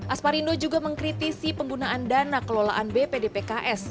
asparindo juga mengkritisi penggunaan dana kelolaan bpd pks